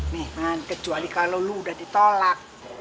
nih kan kecuali kalau lu udah ditolak